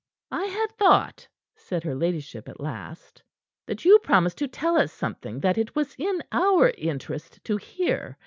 "I had thought," said her ladyship at last, "that you promised to tell us something that it was in our interest to hear.